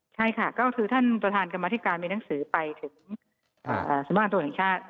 ใช่ค่ะก็คือท่านประธานกรรมธิการมีหนังสือไปถึงสำนักงานตรวจแห่งชาติ